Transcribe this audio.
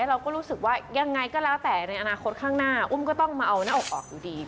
เราก็รู้สึกว่ายังไงก็แล้วแต่ในอนาคตข้างหน้าอุ้มก็ต้องมาเอาหน้าอกออกอยู่ดี